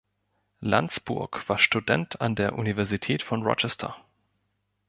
Landsburg war Student an der Universität von Rochester.